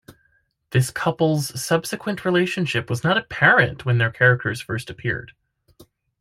This couple's subsequent relationship was not apparent when their characters first appeared.